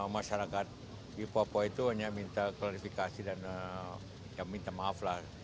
masyarakat di papua itu hanya minta klarifikasi dan ya minta maaf lah